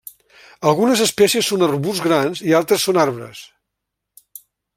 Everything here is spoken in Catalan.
Algunes espècies són arbusts grans i altres són arbres.